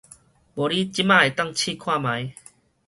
無你這馬會當試看覓